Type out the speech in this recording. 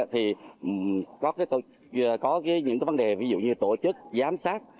thì có những vấn đề ví dụ như tổ chức giám sát